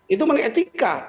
itu mengenai etika